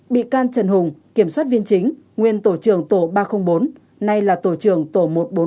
một bị can trần hùng kiểm soát viên chính nguyên tổ trường tổ ba trăm linh bốn nay là tổ trường tổ một nghìn bốn trăm bốn mươi bốn